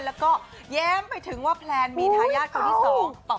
แล้วก็แย้มไปถึงว่าแพลนมีทายาทคนที่สอง